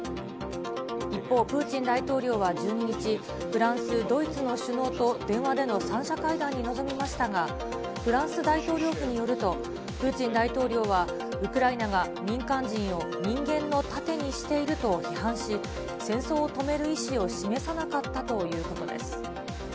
一方、プーチン大統領は１２日、フランス、ドイツの首脳と電話での３者会談に臨みましたが、フランス大統領府によると、プーチン大統領はウクライナが民間人を人間の盾にしていると批判し、戦争を止める意思を示さなかったということです。